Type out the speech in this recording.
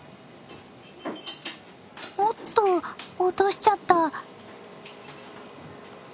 おっと落としちゃった。